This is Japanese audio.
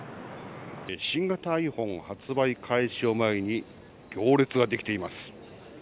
新型ｉＰｈｏｎｅ発売開始を前に、行列が出来ています。